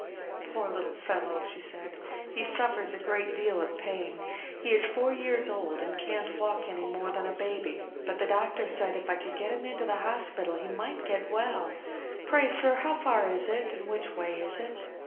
"Poor little fellow!" she said, "he suffers a deal of pain; he is four years old and can't walk any more than a baby; but the doctor said if I could get him into the hospital he might get well; pray, sir, how far is it; and which way is it?"